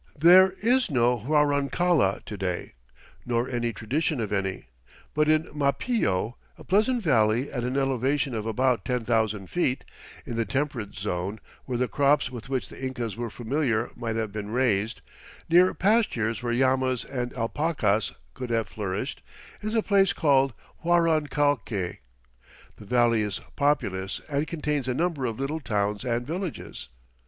There is no "Huarancalla" to day, nor any tradition of any, but in Mapillo, a pleasant valley at an elevation of about 10,000 feet, in the temperate zone where the crops with which the Incas were familiar might have been raised, near pastures where llamas and alpacas could have flourished, is a place called Huarancalque. The valley is populous and contains a number of little towns and villages.